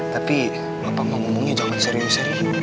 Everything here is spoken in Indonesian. tapi bapak mau ngomongnya jangan serius serius